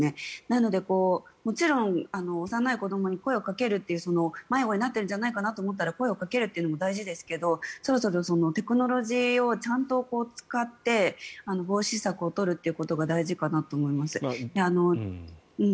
なので、もちろん幼い子どもに声をかけるという迷子になっているんじゃないかと思ったら声をかけるというのも大事ですけどそもそもテクノロジーをちゃんと使って防止策を取ることが大事かなと思います。